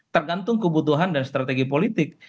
tergantung kebutuhan dan strategi politik